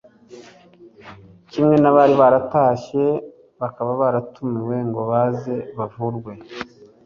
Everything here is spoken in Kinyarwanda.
kimwe n’abandi bari baratashye bakaba baratumiwe ngo baze bavurwe